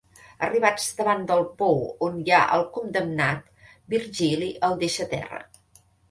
Arribats davant del pou on hi ha el condemnat, Virgili el deixa a terra.